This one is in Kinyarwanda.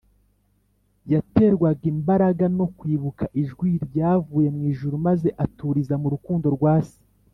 Yaterwaga imbaraga no kwibuka ijwi ryavuye mw’ijuru, maze aturiza mu rukundo rwa Se